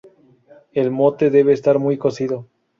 El mote debe estar muy cocido.